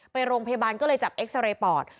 ไปโรงพยาบาลก็เลยจับเอ็กซาเรย์ปอด